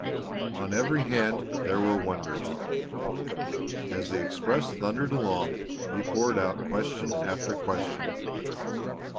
On every hand there were wonders! As the express thundered along he poured out question after question.